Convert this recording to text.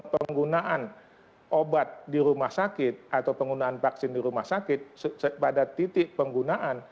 penggunaan obat di rumah sakit atau penggunaan vaksin di rumah sakit pada titik penggunaan